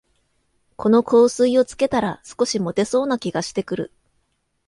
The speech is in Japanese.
この香水をつけたら、少しもてそうな気がしてくる